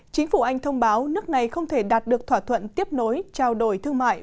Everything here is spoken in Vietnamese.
chính phủ anh thông báo nước này không thể đạt được thỏa thuận tiếp nối trao đổi thương mại